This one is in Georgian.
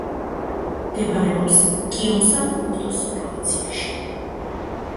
მდებარეობს კიონსან-პუქტოს პროვინციაში.